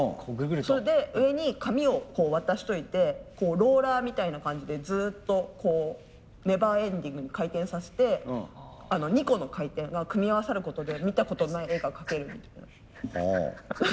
それで上に紙を渡しといてローラーみたいな感じでずっとこうネバーエンディングに回転させて２個の回転が組み合わさることで見たことない絵が描けるみたいな。